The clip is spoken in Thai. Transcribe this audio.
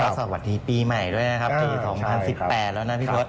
สวัสดีปีใหม่ด้วยนะครับปี๒๐๑๘แล้วนะพี่ทศ